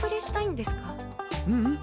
ううん。